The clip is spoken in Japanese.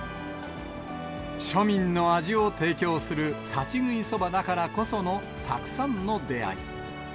庶民の味を提供する立ち食いそばだからこそのたくさんの出会い。